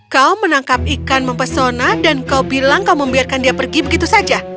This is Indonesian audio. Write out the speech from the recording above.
kau menangkap ikan mempesona dan kau bilang kau membiarkan dia pergi begitu saja